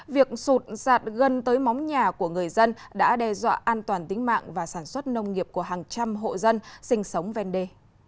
việc sụt sạt gần tới móng nhà của người dân đã đe dọa an toàn tính mạng và sản xuất nông nghiệp của hàng trăm hộ dân sinh sống ven đê